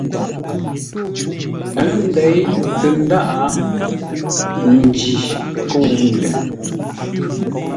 Ə́ ndéi tə ndáʼ, njî kə̂u ndə̂.